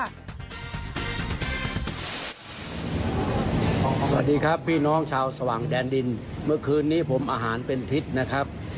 สวัสดีครับพี่น้องชาวสว่างแดนดินเมื่อคืนนี้ผมอาหารเป็นพิษนะครับ